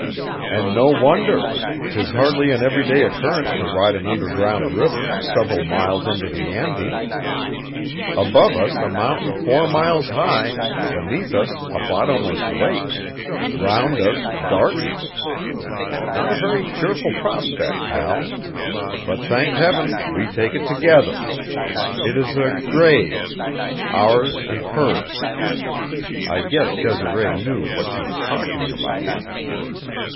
"And no wonder. 'Tis hardly an every day occurrence to ride an underground river several miles under the Andes. Above us a mountain four miles high, beneath us a bottomless lake, round us darkness. Not a very cheerful prospect, Hal; but, thank Heaven, we take it together! It is a grave ours and hers. I guess Desiree knew what she was talking about."